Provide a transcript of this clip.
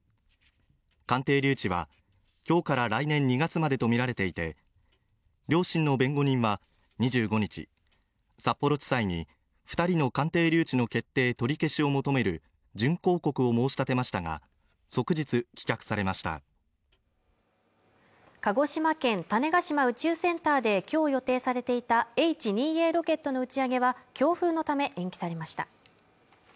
鑑定留置は今日から来年２月までとみられていて両親の弁護人は２５日札幌地裁に二人の鑑定留置の決定取り消しを求める準抗告を申し立てましたが即日棄却されました鹿児島県種子島宇宙センターで今日予定されていたＨ２Ａロケットの打ち上げは強風のため延期されました